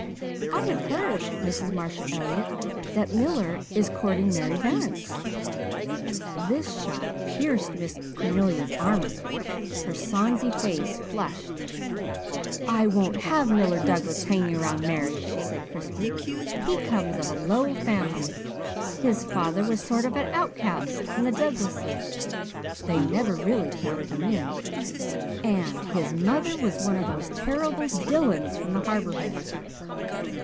"I have heard, Mrs. Marshall Elliott, that Miller is courting Mary Vance." This shot pierced Miss Cornelia's armour. Her sonsy face flushed. "I won't have Miller Douglas hanging round Mary," she said crisply. "He comes of a low family. His father was a sort of outcast from the Douglases they never really counted him in and his mother was one of those terrible Dillons from the Harbour Head."